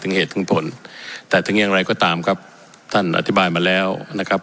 เหตุถึงผลแต่ถึงอย่างไรก็ตามครับท่านอธิบายมาแล้วนะครับ